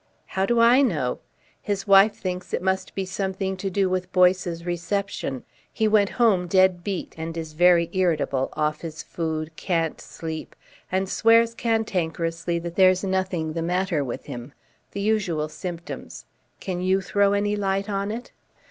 "How do I know? His wife thinks it must be something to do with Boyce's reception. He went home dead beat, is very irritable, off his food, can't sleep, and swears cantankerously that there's nothing the matter with him, the usual symptoms. Can you throw any light on it?"